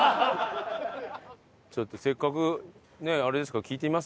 ちょっとせっかくねあれですから聞いてみます？